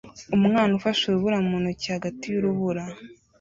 Umwana ufashe urubura mu ntoki hagati yurubura